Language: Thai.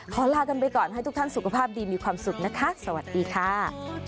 ลากันไปก่อนให้ทุกท่านสุขภาพดีมีความสุขนะคะสวัสดีค่ะ